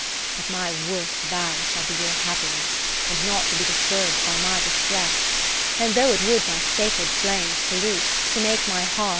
But my worst vows shall be your happiness. And not to be disturb'd by my distress. And though it would my sacred flames pollute, To make my heart